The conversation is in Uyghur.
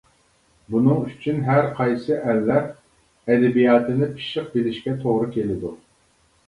بۇنىڭ ئۈچۈن ھەرقايسى ئەللەر ئەدەبىياتىنى پىششىق بىلىشكە توغرا كېلىدۇ.